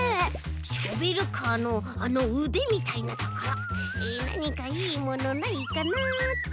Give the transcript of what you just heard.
ショベルカーのあのうでみたいなところなにかいいものないかなっと。